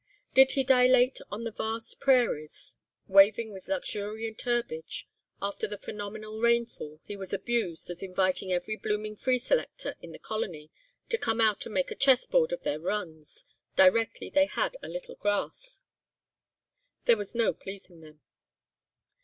Did he dilate on the vast prairies waving with luxuriant herbage, after a phenomenal rainfall, he was abused as "inviting every blooming free selector in the colony to come out and make a chess board of their runs, directly they had a little grass." There was no pleasing them.